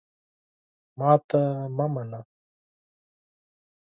ماته مه منه !